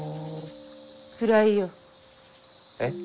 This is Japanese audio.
暗いよ。えっ？